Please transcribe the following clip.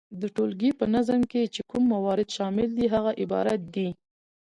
د ټولګي په نظم کي چي کوم موارد شامل دي هغه عبارت دي،